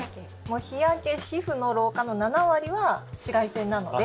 皮膚の老化の７割は紫外線なので。